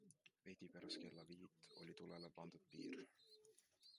Veidi pärast kella viit oli tulele pandud piir.